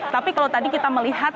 tapi kalau tadi kita melihat